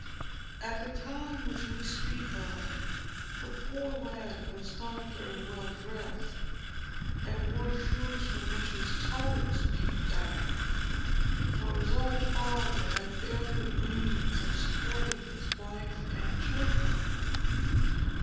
At the time which we speak of, the poor lad was not very well dressed, and wore shoes from which his toes peeped out; for his old father had barely the means of supporting his wife and children.